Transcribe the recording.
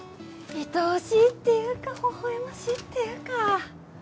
いとおしいっていうかほほえましいっていうか